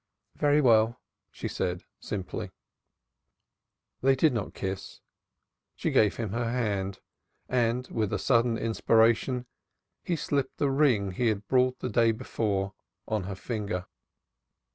"Very well," she said simply. They did not kiss; she gave him her hand, and, with a sudden inspiration, he slipped the ring he had brought the day before on her finger.